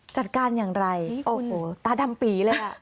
จัดการอย่างไรตาดำปีเลย